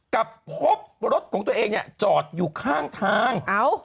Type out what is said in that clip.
กลับพบรถของตัวเองเนี่ยจอดอยู่ข้างทาง